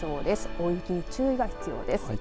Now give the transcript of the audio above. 大雪に注意が必要です。